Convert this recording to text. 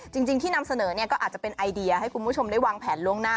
จริงที่นำเสนอเนี่ยก็อาจจะเป็นไอเดียให้คุณผู้ชมได้วางแผนล่วงหน้า